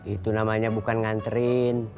itu namanya bukan nganterin